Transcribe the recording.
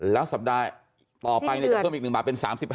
แล้วสัปดาห์ต่อไปจะเพิ่มอีก๑บาทเป็น๓๕